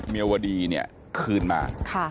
ที่จังหวัดเมียวดีเนี่ยคืนมา